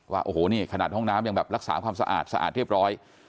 ว่าโอ้โหนี่ขนาดห้องน้ำยังแบบรักษาความสะอาดสะอาดเรียบร้อย